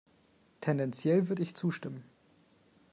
Tendenziell würde ich zustimmen.